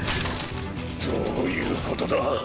どういうことだ？